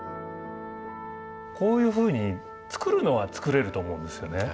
こういうふうに作るのは作れると思うんですよね。